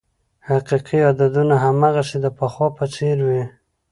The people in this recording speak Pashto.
حقیقي عددونه هماغسې د پخوا په څېر وې.